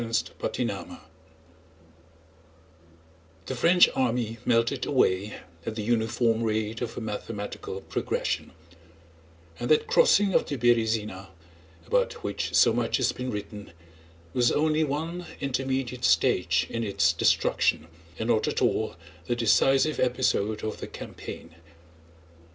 CHAPTER X The French army melted away at the uniform rate of a mathematical progression; and that crossing of the Berëzina about which so much has been written was only one intermediate stage in its destruction, and not at all the decisive episode of the campaign.